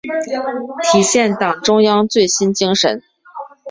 体现党中央最新精神